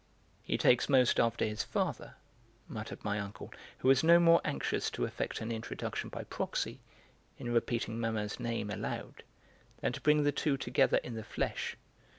"He takes most after his father," muttered my uncle, who was no more anxious to effect an introduction by proxy, in repeating Mamma's name aloud, than to bring the two together in the flesh.